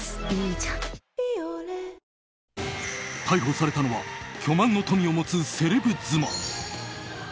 逮捕されたのは巨万の富を持つセレブ妻。